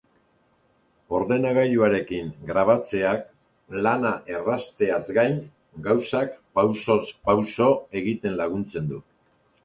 Ordenagailuarekin grabatzeak lana errazteaz gain, gauzak pausoz pauso egiten laguntzen du.